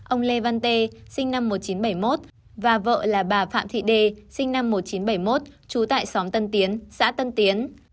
ông lê văn tê sinh năm một nghìn chín trăm bảy mươi một và vợ là bà phạm thị đê sinh năm một nghìn chín trăm bảy mươi một trú tại xóm tân tiến xã tân tiến